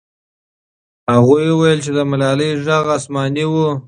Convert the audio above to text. هغوی وویل چې د ملالۍ ږغ آسماني و.